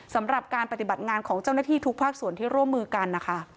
สำหรับการปฏิบัติงานของเจ้าหน้าที่ทุกภาคส่วนที่ร่วมมือกันนะคะ